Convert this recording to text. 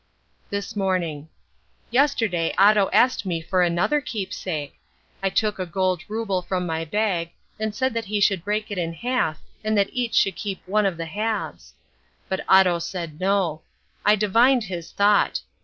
This Morning. Yesterday Otto asked me for another keepsake. I took a gold rouble from my bag and said that he should break it in half and that each should keep one of the halves. But Otto said no. I divined his thought.